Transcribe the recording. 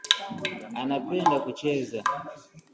anapenda kucheza